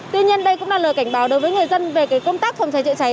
tuy nhiên đây cũng là lời cảnh báo đối với người dân về công tác phòng cháy chữa cháy